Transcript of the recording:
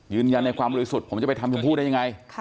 ยืนยันในความบริสุทธิ์ผมจะไปทำชมพู่ได้ยังไง